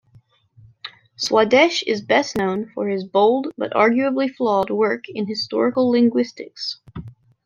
Swadesh is best known for his bold but arguably flawed work in historical linguistics.